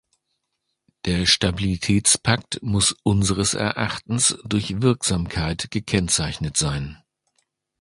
Der Stabilitätspakt muss unseres Erachtens durch Wirksamkeit gekennzeichnet sein.